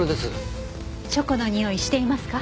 チョコのにおいしていますか？